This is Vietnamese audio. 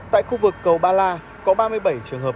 tại khu vực cầu ba la có ba mươi bảy trường hợp